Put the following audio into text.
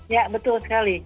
ya betul sekali